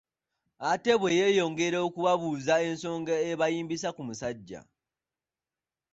Ate bwe yeeyongera okubabuuza ensonga ebayimbisaa ku musajja